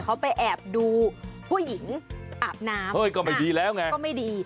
อาบน้ำก็บ้าดี